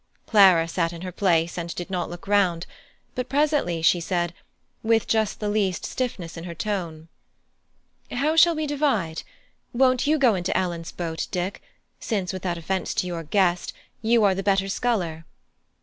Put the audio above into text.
Clara sat in her place and did not look round, but presently she said, with just the least stiffness in her tone: "How shall we divide? Won't you go into Ellen's boat, Dick, since, without offence to our guest, you are the better sculler?"